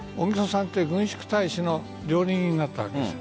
軍縮大使の料理人になったわけです。